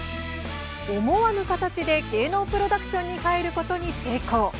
思わぬ形で芸能プロダクションに入ることに成功。